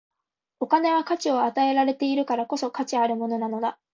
お金は価値を与えられているからこそ、価値あるものなのだ。